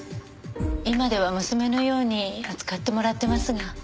今では娘のように扱ってもらってますが。